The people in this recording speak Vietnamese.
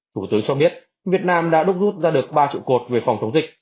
thủ tướng cho biết việt nam đã đúc rút ra được ba trụ cột về phòng chống dịch